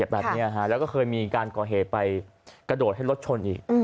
แบบนี้แล้วก็เคยมีการก่อเหตุไปกระโดดให้รถชนอีก